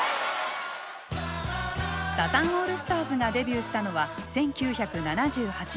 サザンオールスターズがデビューしたのは１９７８年。